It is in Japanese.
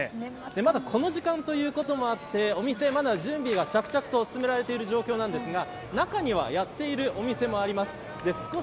まだこの時間ということもあってお店はまだ準備が着々と進められている状況ですが中には、やっているお店もあります。